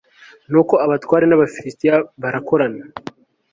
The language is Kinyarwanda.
nuko abatware b'abafilisiti barakorana